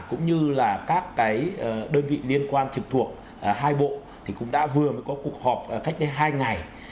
cũng như là các cái đơn vị liên quan trực thuộc hai bộ thì cũng đã vừa mới có cuộc họp cách đây hai ngày